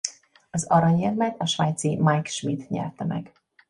Az aranyérmet a svájci Mike Schmid nyerte meg.